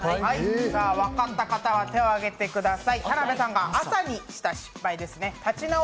分かった方は手を挙げてください。